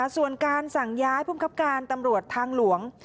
ส่วนการสั่งย้ายภูมิครับการตำรวจทางหลวง